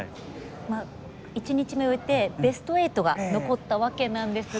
１日目を終えてベスト８が残ったわけなんですが。